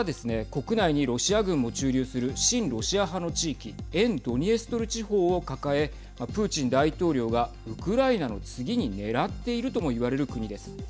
国内にロシア軍も駐留する親ロシア派の地域沿ドニエストル地方を抱えプーチン大統領がウクライナの次に狙っているもいわれる国です。